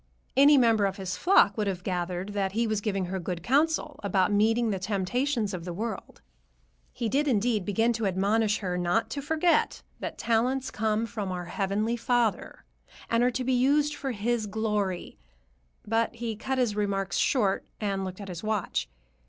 Any member of his flock would have gathered that he was giving her good counsel about meeting the temptations of the world. He did, indeed, begin to admonish her not to forget that talents come from our Heavenly Father and are to be used for his glory, but he cut his remarks short and looked at his watch.